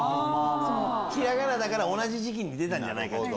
平仮名だから同じ時期に出たんじゃないかと。